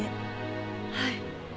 はい。